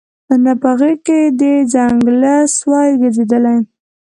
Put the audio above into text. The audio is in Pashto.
نه په غېږ کي د ځنګله سوای ګرځیدلای